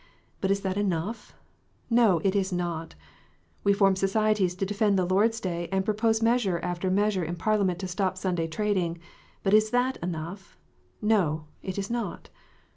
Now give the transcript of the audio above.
But is that enough ? No : it is not ! We form societies to defend the Lord s Day, and propose measure after measure in Parliament to stop Sunday trading. But is that enough 1 No : it is not